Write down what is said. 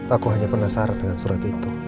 aku hanya penasaran dengan surat itu